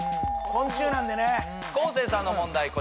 昆虫なんでね昴生さんの問題